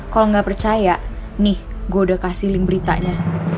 kalau nggak percaya nih gue udah kasih link beritanya